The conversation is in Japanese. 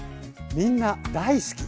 みんな大好き！